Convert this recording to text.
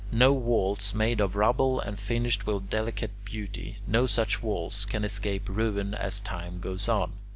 No walls made of rubble and finished with delicate beauty no such walls can escape ruin as time goes on.